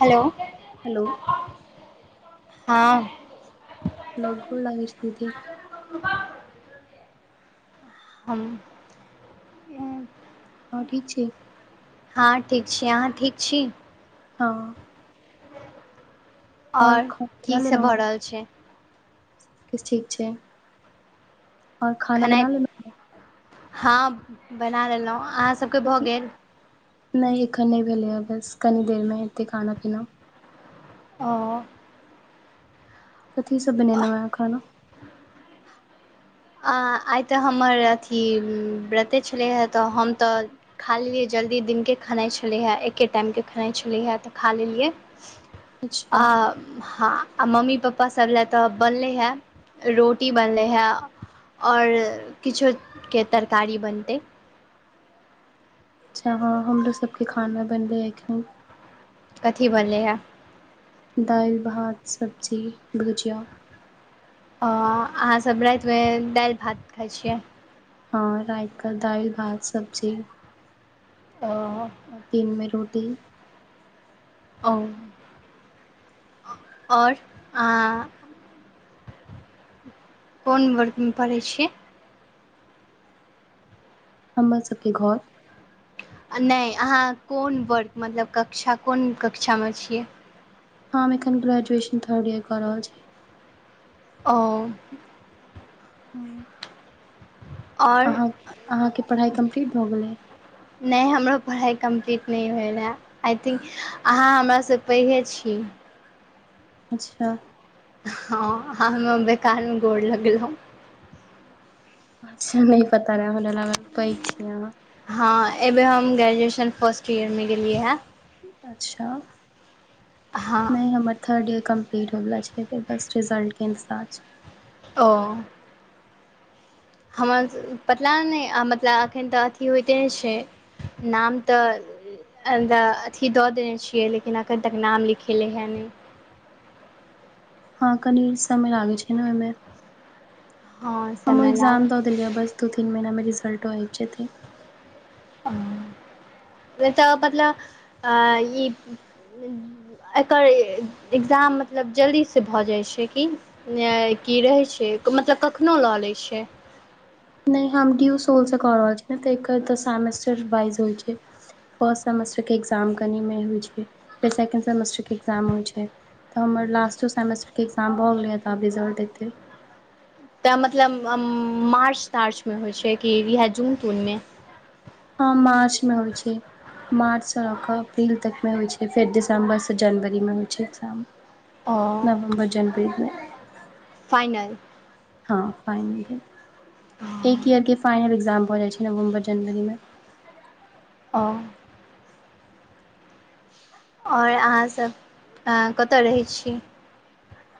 Hello hello हाॅं hello गोड लागै छी दीदी। हमा हम। हँ ठीक छी हाॅं ठीक छी अहाँ ठीक छी। हँ आओर खाना बना की सब भऽ लेलहु, रहल छै सबकिछ ठीक छै। आओर खाना बना खेनाइ लेलहुँ हँ? हँ बना लेलहुँ अहाँ सबके भऽ कथी गेल। नहि एखन नहि भेलैए बस कनी देरमे हेतै खाना पीना ओ कथीसब बनेनउ ए खाना आइ तऽ हमर अथी ब्रते छलै हे तऽ हम तऽ खा लेलियै जल्दी दिनके खनाइ छलिहैं एक्के टाइमके खनाइ छलैहैं तऽ खा लेलियै। [inaudible] आ हँ आ मम्मी पप्पा सभ लए तऽ बनलै हे रोटी बनले हे आओर किछोके तरकारी बनतै। अच्छा हँ हमरो सबके खाना बनलै एखन कथी बनलैहैं दालि, भात, सब्जी, भुजिया‌। हॅं अहाँसभ रातिमे दालि भात खाइ छियै? हँ रातिकऽ दालि, भात, सब्जी ओ ओर दिन मे रोटी ओ आओर अं कोन वर्ग में पढ़ै छियै? हमर सबके घर आ नहि अहाँ कोन वर्ग मतलब कक्षा कोन कक्षामे छियै? हम एखन ग्रेजुएशन थर्ड ईयर कऽ रहल छी। ओ हूँ आओर अहाँ अहाँके पढ़ाइ कम्प्लीट भऽ गेलै। नहि हमरो पढ़ाइ कम्प्लीट नहि भेलहैं। आइ थिंक अहाँ हमरा से पैेघे छी। अच्छा हँ अहाॅं हमरा बेकार मे गोड़ लगलहुं। अच्छा नहि पता रहे हमरा लागल पैघ हेबइ अहाँ हँ एबे हम ग्रेजुएशन फर्स्ट ईयर मे गेलियै है। अच्छा हँ नहि हमर थर्ड ईयर कम्प्लीट होइवला छै, फेर फर्स्ट साईन्ट के इन्तजार छै। ओ हमर पतला नहि आ मतलब एखन तऽ अथी होइते छै। नाम तऽ अण्डा अथि दऽ देने छियै, लेकिन एखन तक नाम लिखेले है नहि हँ कनी समय लागैत छै ने ओहिमे हाॅ ओ एग्जाम दऽ देलियै बस दू तीन महिनामे रिजल्टो आबि जेतय। अ--ह, बेटा बदला, आईये एकर ए- एकग्जाम मतलब जल्दी से भऽ जाइ छै कि नैए की रहैत छै, मतलब कखनो लऽ लैय छै। नहि हम डीू सोल स कऽ रहल छी ने तऽ एकर तऽ सेमेस्टर वाइज होइ छै। फर्स्ट सेमेस्टरके एक्जाम कनिमे होइ छै, फेर सेकेण्ड सेमेस्टरके एक्जाम होइ छै। तऽ हमर लास्टो सेमेस्टरके एक्जाम भऽ गेलैय तऽ आ रिजल्ट एतै। तैऽ मतलब अम--मार्च- तार्चमे होइ छै कि इहै जून- तूनमे हँ मार्च मे होइ छै। मार्च सँ लऽ कऽ अप्रील तक मे होइ छै, फेर दिसम्बर सँ जनवरी मे होइ छै एक्जाम। ओ, फाइनल हँ फाइनल भेल, एक ईयर के फाइनल एग्जाम भऽ जाइ छै नवम्बर जनवरी मे अ आओर अहाँसभ एय कतय रहै छी।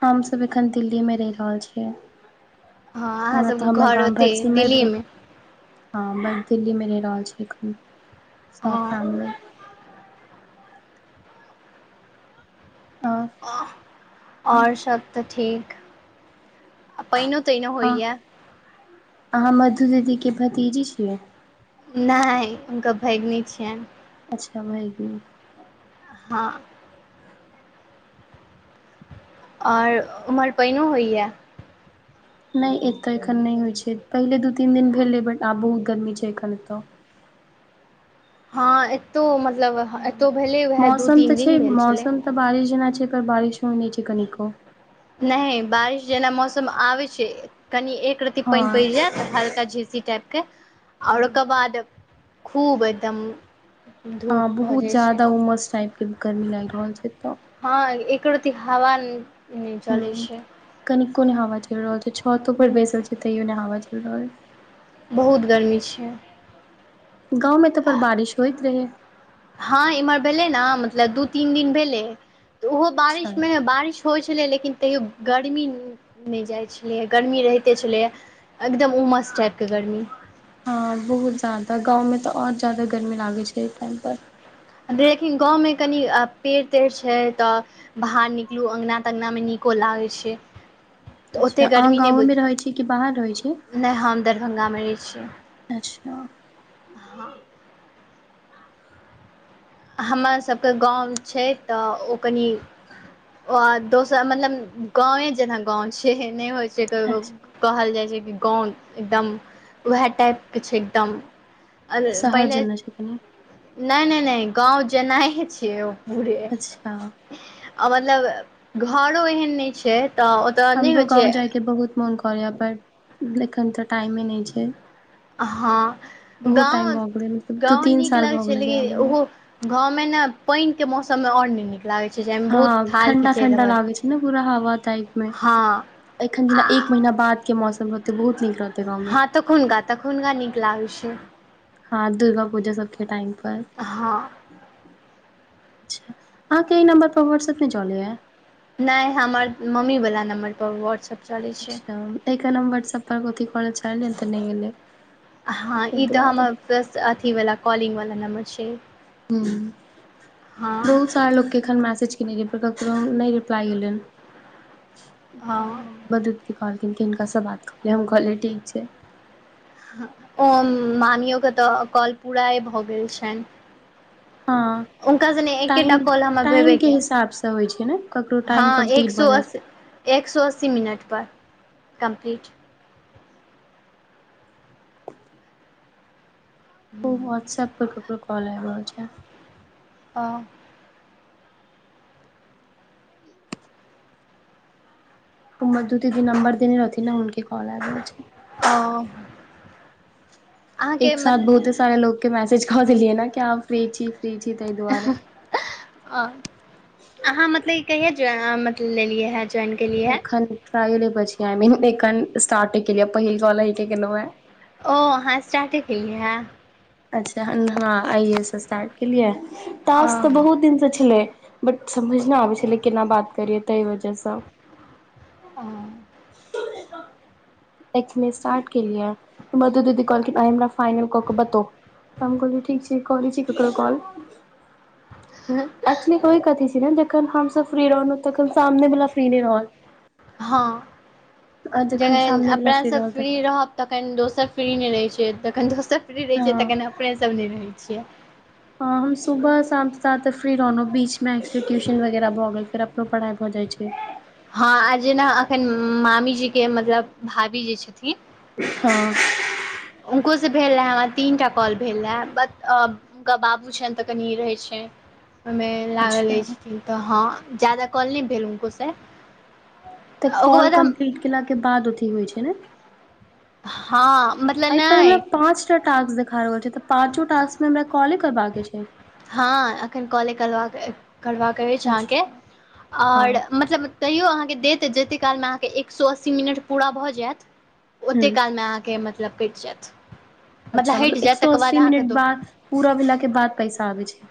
हम सब एखन दिल्ली मे रहि रहल छियै। हँ अहाँ ओना तऽ सबके हमर घर गाम ओते भटसिमैर भेल। दिल्लीमे हँ बस दील्ली मे रहि रहल छी एखन, सभ हँ फैमिली। आओर ऑ--ह, आओर सब तऽ ठीक पाइनो-ताइनो हँ होइया। अहाँ मधु दीदीके भतीजी छियै। नहि हुनका भागिनि छियनि। अच्छा भैगिनी। हँ आओर अ ओमहर पानिओ होइया। नहि एतय एखन नहि होइत छै, पहिले दू तीन दिन भेलै बट आब बहुत गर्मी छै एखन एतय। हँ एतौ मतलब ह एतौ भेलै उएह दू मौसम तऽ तीन छै दिन भेल छलै। मौसम तऽ बारिश जेना छै त बारिशो नहि छै कनिको। नहि बारिश जेना मौसम आबै छै, कनि एक रति हँ पानि पड़ि जायत त हल्का झीसी टाइपके, आओर ओकर बाद खूब एकदम ह धूप भऽ बहुत जाइ छै ज्यादा उमस टाइप के गर्मी लागि रहल छै तऽ हँ इको रती हावा हु, कनिको नहि हावा चलि रहल छै, छतो पर बैसल छी तैयो नहि हावा चलि रहल बहुत गर्मी छियै। गाँव मे तऽ बड़ बारिश होइत रहै। हँ इम्हर भेलै न मतलब दू तीन दिन भेलै, ओहो अच्छा बारिशमे बारिश होइ छलै लेकिन तैयो गर्मी नहि जाइत छलैए गर्मी रहिते छलैए, एकदम उमस टाइप के गर्मी। हँ बहुत जदा, गाँव में तऽ आओर ज्यदा गर्मी लागे छै एहि टाइम पर। देखिन गाँवमें कनि पेड़-तेड़ छै तऽ। बाहर निकलू अंगना-तंगना में नीको लागै छै। तऽ अच्छा, ओतेक अहाँ गर्मी नहि बुझ गाँवेमें रहै छी कि बाहर रहै छी। नहि हम दरभङ्गामे रहै छीयै। अच्छा। हँ। हमरासभके गाम छै तऽ ओ कनि। आ दोसर मतलब गाँवे जेना गाँव छै नहि होइ छै ककरो। अच्छा कहल जाइ छै कि गाँव एकदम उएह टाइपके छै, एकदम। अर शहर पहिले जेना छै कनि नहि-नहि-नहि, गाँव जेनाइ छियै ओ। बढ़े, अच्छा अ मतलब घरो एहन नहि छै तऽ। ओतय नहि हमरो होइ गांव छै जाय के बहुत मोन करेये पर एखन ते टाइमें नहि छै। हँ बहुत टाइम भऽ गेलै मतलब दू गाँव-गाँव तीन नीक साल लगै भऽ छै गेलै गेला लेकिन गेला ओहो। गाँव में ने पानि के मौसम मे आओर नइ नीक। लागै छै। जाहिमे हँ बहुत थाल खीचै ठण्डा-ठण्डा रहल लागै छै ने, पूरा हवा टाइप में। हँ एखन आ जेना एक महीना बाद के मौसम रहते बहुत नीक रहते गाँव में। हँ तखुनका- तखुनका नीक लागै छै। हँ, दुर्गापूजा सबके टाइमपर। हँ। अच्छा, अहाँके अइ नम्बर पर व्हाट्सप चलेयै। नइ हमर मम्मीवला नम्बर पर व्हाट्सएप। अच्छा, अइके नम्बर सब पर ओके करऽ चाहलिये तऽ नहि गेलै। हँ ई तऽ हमर पस, अथीवला कॉलिंगवला नम्बर छै। हूं। हँ [unintelligible] चार लोक के एखन मैसेज कने रहये, पर ककरो नहि रिप्लाई एलैहन। तऽ हँ हम बदूदती कहलखिन हिनका से बात कलियै, हम कहलियै ठीक छै। ओ, मामियो के तऽ कॉल पुराए भऽ गेल छनि। हँ। हुनका सने एकेटा कॉल हमर भेबे टाइम-टाइमके कयल हिसाबसँ होइ छै ने, ककरो टाइम हँ एक कम्प्लीट भऽ सौ जाइ छै। अस्सी एक सौ अस्सी मिनट पर, कम्प्लीट। ओ व्हाट्सएप पर ककरो कॉल आबि रहल छै। हां। ओ मदू दीदी नंबर देने रहथिन ने हूनके कॉल आइब रहल छै। ओ। अहाँके एक साथ मतलब बहुते सारे लोग के मैसेज कऽ देलियै न कि अहाँ फ्री छी, फ्री छी ताहि दुआरे। आ अहाँ मतलब ई कहिया जोय मत लेलियै हे। एखन ट्राइलै पर छी, आइ मीन एखन स्टार्टे कलियेए पहिल कॉल अहिक केलौं हें। ओ अहाँ स्टार्टे केलिये हे। अच्छा हां, आइये स्टार्ट केलियै, तास हँ तऽ ओ बहुत दिन से छलै। बट समझ न आबै छलै, केना बात करियै तहि वजहसँ। हां। एक स्टार्ट केलियै मधु दीदी कहखिन्ह। फाइनल कऽ के बतो त हम कहलिय ठीक छै करै छी ककरो कॉल। हँ एकच्वली ओहि कथी छै ने जखन हमसब फ्री रहलौं तखन सामने वला फ्री नहि रहल। हँ आ जखन जखनि सामने वला अपना सब रहल तखन फ्री रहब तखनि दोसर फ्री नहि रहै छै तखन दोसर फ्री रहै हँ छै तखन अपने सब नहि रहै छियै। हॅं हम सुबह शाम तसाथ फ्री रहलहुँ बीचमे ट्यूशन वगैरह भऽ गेल फेर अपनो पढ़ाइ भऽ जाइ छै। हँ आ जेना अखनि मामीजी के मतलब भाभी जे छथिन? हँ हुनको से भेल रहै हमरा तीन टा कॉल भेल रहै बट अ हुनका बाबू छनि तऽ कनि ई रहै छै। ओहिमे लागल रहै अच्छा छथिन तऽ हँ ज्यादा कॉल नहि भेल हुनको से तऽ कॉल कम्प्लीट केला के बाद अथि होइ छै ने। हँ मतलब एहि पर हमरा नहि पांच टा टास्क देखा रहल छै तऽ पांचो टास्क में हमरा कॉले करबा के छै? हँ एखन कॉले करबाक करबाक अछि अहाँके अच्छा हँ आओर मतलब तैयो अहाँके देत जते कालमे अहाँके एक सए अस्सी मिनट पूरा भऽ जायत। ओते हूँ काल मे अहाँके मतलब कटि जायत। अच्छा हटि मतलब एक जायत सौ तकर बाद अस्सी अहाँके मिनट दो बाद पूरा भेला के बाद पैसा अबै छै।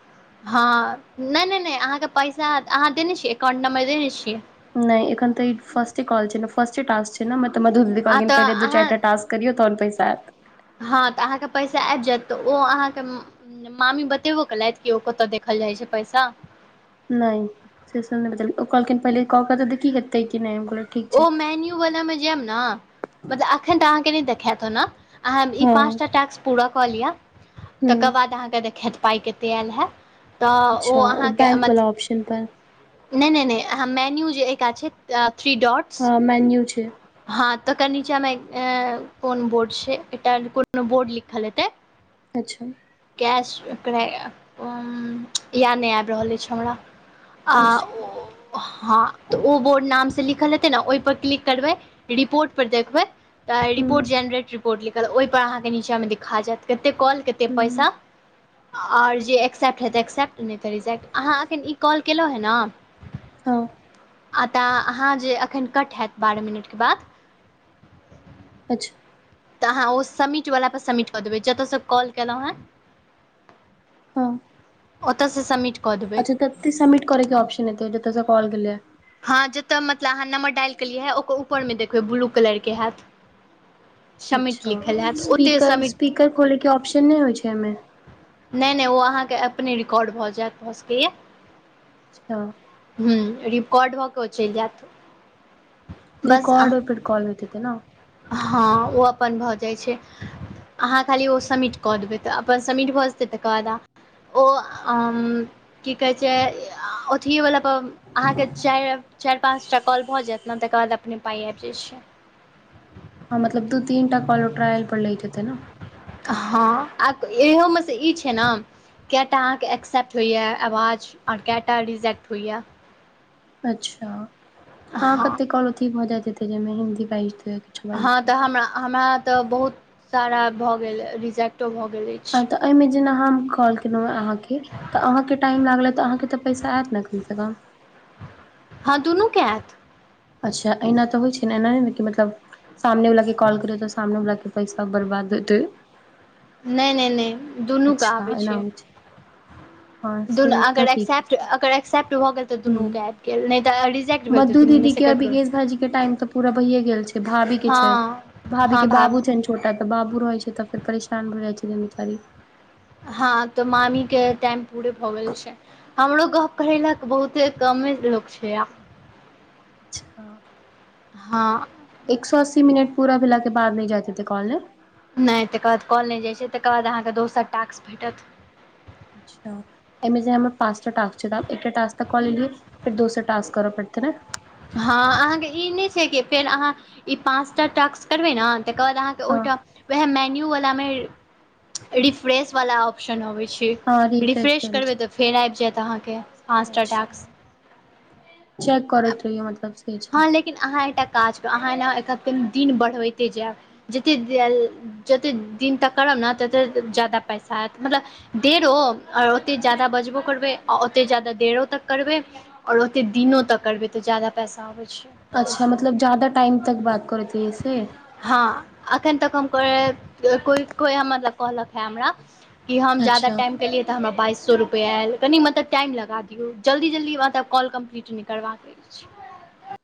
हँ नहि नहि नहि अहाँके पैसा अहाँ देने छियै अकाउंट नंबर देने छियै? नहि एखन तऽ ई फस्टे कॉल छै ने फस्टे टास्क छै। एना में त मधु दीदी अहाँ कहलखिन तऽ पहिले दू अहाँ चारि टा टास्क करियौ तहन पैसा आयत। हँ तऽ अहाँके पैसा आबि जायत तऽ ओ अहाँके म मामी बतेबो केलैथ कि ओ कतऽ देखल जाइ छै पैसा। नहि से सब नहि बतेल ओ कहलखिन पहिले कऽक त देखही हेतै की नहि। ठीक छै ओ मेन्यू वला मे जायब ने मतलब अखन तऽ अहाँके नहि देखायत ओना अहां ई पांच हँ टा टास्क पूरा क लिय तकर हूँ बाद बाद अहाॅंके देखैत पाई केते आयल है त ओ अच्छा आहां के बैंक मत वाला ऑप्शन पर नहि नहि नहि मेन्यू जे ओ कात छै थ्री डोट हँ मेन्यू छै। हँ तकर नीचा मे ऐ कोन बोर्ड छै एकटा कोनो बोर्ड लिखल हेतै अच्छा कैश कर इहै याद नहि आबि रहल अछि हमरा आ अच्छा ओ हँ तऽ ओ बोर्ड नाम से लिखल हेते ने ओहि पर क्लिक करबै रिपोर्ट पर देखबै त हूँ रिपोर्ट जेनरेट रिपोर्ट लिखल ओहिपर अहाँकेँ नीचाँमे देखा जायत केते कॉल केते हूँ पैसा आओर जे एक्सेप्ट हेतै एक्सेप्ट नहि तऽ रिजेक्ट अहाँ एखन ई कॉल केलहुँ हँ ने हँ हाॅं तऽ अहाँ जे अखनि कट हैत बारह मिनटके बाद अच्छा तऽ अहाँ ओ सब्मिट वला पर सब्मिट कऽ देबै जतयसँ कॉल केलहुँ हैं हँ ओतऽसँ सब्मिट कऽ देबै। ओतहि सब्मिट करैके ऑप्शन एतै जस स कॉल गेलै? हँ जतऽ मतलब अहाँ नंबर डाल केलियै है ओकर ऊपरमे देखबै ब्लू कलर के हैत। सबमिट अच्छा लिखल हैत ओतहि स्पीकर सबमिट स्पीकर खोलैके ऑप्शन नहि होइ छै एहिमे? नहि नहि ओ अहाँके अपने रिकॉर्ड भऽ जायत भऽ सकैया। हँ। हुं, रिकॉर्ड भ के ओ चलि जैत। रिकॉर्ड कॉल होेइत हेतै ने। हँ, ओ अपन भऽ जाइ छै। अहाँ खाली ओ सब्मिट कऽ देबै तऽ, अपन सब्मिट भऽ जेतै, तकर बाद ओ की कहै छै, अथएवला पर अहाँके चारि, चारि पाँच टा कॉल भऽ जायत ने, तकर बाद अपने पाइ आबि जाइत छै। हँ मतलब दू तीन टा कॉल ट्रायल पर लैत हेतै न। हँ, आ इहोमे से ई छै ने। कैटा अहाँके एक्सेप्ट होइए आवाज, आओर कैटा रिजेक्ट होइए। अच्छा हँ कते काँल अथि भऽ जैते हेतै, जहिमे हिन्दी बाइज देत। हँ तऽ हमरा, हमरा ते बहुत सारा भए गेल रिजेक्टो भए गेले। हँ, तऽ एहिमे जेना हम कॉल केलहुँ हँ अहाँकेँ। तऽ अहाँकेँ टाइम लागलय तऽ, अहाँकेँ तऽ पैसा आत ने कमसे -कम। हँ, दुनू कै ऐत। अच्छा! एना तऽ होइ छै ने, एना नहि ने कि मतलब सामने वाला के कॉल करियो त, सामने वाला के पैसा बर्बाद हेतै। नहि, नहि, नहि, दुनूके अच्छा आबै एना छै। होइ हँ दुनु से अगर तऽ ठीके एक्सेप्ट छै अगर एक्सेप्ट भऽ गेल तऽ, दुनूके हूँ आबि गेल नहि तऽ रिजेक्ट भेल तऽ मधु दुनूमे दीदी सँ के आओ ककरो विकेश भाजी के टाइम तऽ पूरा भहिए गेल छै, भाभी के छैन। हँ भाभी हँ के बाबू छैन ने छोटा तऽ बाबू रहै छै तऽ, फेर परेशान भ जाइ छैन बिचारी। हँ तऽ मामी के टाइम पूरे भऽ गेल छैन, हमरो कहब कहेला त बहुते कमे लोक छै, आ अच्छा! हँ। एक सौ अस्सी मिनट पूरा भेल के बाद नहि जाते कॉल ने। नहि तकर बाद काँल नहि जाइ छै, तकर बाद अहाँके दोसर टाक्स भेटत। अच्छा! एहिमे जे हमर पाँच टा टास्क छै, एकटा टास्क तक कऽ लेलियै, फेर दोसर टास्क करऽ पड़ते ने। हँ, अहाँके ई नहि छै कि फेर, अहाँ ई पाँचटा टाक्स करबै ने। तकर बाद अहाँके हँ ओहिठाम वएह मेन्यू वाला मे रिफ्रेश वाला ऑप्शन अबै छै। हँ रिफ्रेश करै करबे छै त, फेर आइब जैत आहाँके पाँचटा टाक्स। अच्छा चेक करैत रहियौ मतलब से छै। हँ लेकिन अहाँ एकटा काज करब, अहाँ एना एक दिन बढ़बैते जायब, जतेक जते दिन तक करब ने, तते ज्यादा पैसा आयत, मतलब देरो, और ओते ज्यादा बजबो करबै, आ ओते ज्यादा देरो तक करबै। आओर ओते दिनो तक करबै तऽ, ज्यादा पैसा अबैत छै। अच्छा! ओहिसँ मतलब ज्यादा टाइम तक बात करैत रहियो से। हँ, एखन तक हम को कोइ मतलब कहलक हे हमरा। कि हम ज्यादा अच्छा टाइम केलियै तऽ, हमरा बाइस सौ रुपआ आयल कनि मत टाइम लगा दियो, जल्दी- जल्दी मतलब कॉल कम्पलीट नहि करबाक अछि।